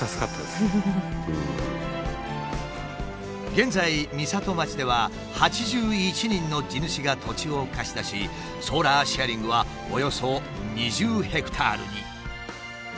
現在美里町では８１人の地主が土地を貸し出しソーラーシェアリングはおよそ２０ヘクタールに。